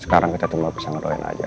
sekarang kita cuma bisa ngeroyen aja